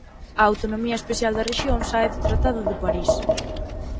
A autonomía especial da rexión sae do Tratado de París.